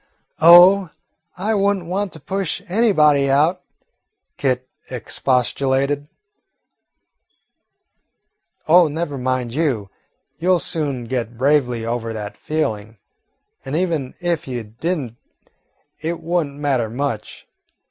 "Oh, I would n't want to push anybody out," Kit expostulated. "Oh, never mind, you 'll soon get bravely over that feeling, and even if you did n't it would n't matter much.